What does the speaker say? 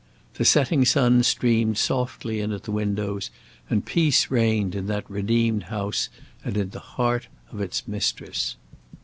The setting sun streamed softly in at the windows, and peace reigned in that redeemed house and in the heart of its mistress.